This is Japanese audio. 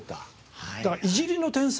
だからいじりの天才。